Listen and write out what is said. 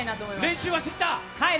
練習はしてきた？